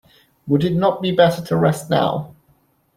Would it not be better to rest now?